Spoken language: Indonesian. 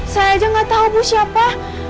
saya aja gak tahu bu siapa